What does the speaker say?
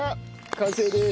完成です。